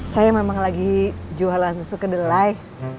saya memang lagi jualan susu kedelai